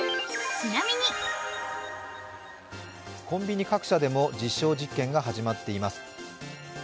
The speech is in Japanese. コンビニ各社でも実証実験が始まっています。